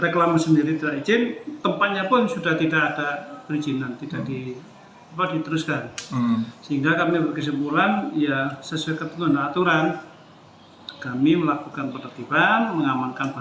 kami melakukan penertiban mengamankan barangnya